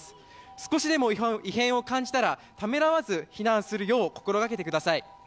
少しでも異変を感じたらためらわず避難するよう心掛けてください。